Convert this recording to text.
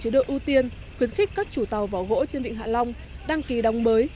chỉ đợi ưu tiên khuyến khích các chủ tàu vỏ gỗ trên vịnh hạ long đăng kỳ đồng mới